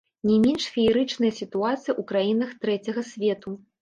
Не менш феерычная сітуацыя ў краінах трэцяга свету.